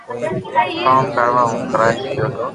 ڪوم ڪروا ھون ڪراچي گيو تو